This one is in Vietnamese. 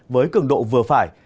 với cường độ vừa phải